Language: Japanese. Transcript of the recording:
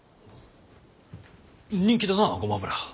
人気だなゴマ油。